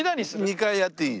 ２回やっていい？